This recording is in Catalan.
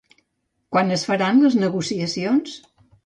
Quan es faran les negociacions?